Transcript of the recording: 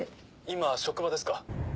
今職場ですか？